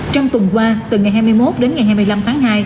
trong tuần qua từ ngày hai mươi một đến ngày hai mươi năm tháng hai